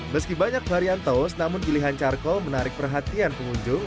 meski banyak varian tos namun pilihan charcol menarik perhatian pengunjung